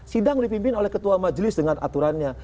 sidang dipimpin oleh ketua majelis dengan aturannya